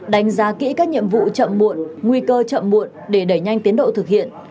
đánh giá kỹ các nhiệm vụ chậm muộn nguy cơ chậm muộn để đẩy nhanh tiến độ thực hiện